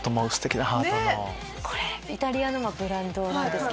これイタリアのブランドなんです。